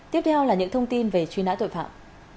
tiếp theo là những thông tin về truy nã tội phạm